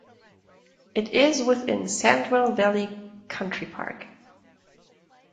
It is within Sandwell Valley Country Park.